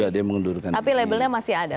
tapi labelnya kan masih ada